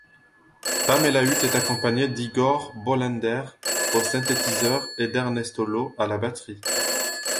Pamela Hute est accompagnée d'Igor Bolender aux synthétiseurs et d'Ernest Lo à la batterie.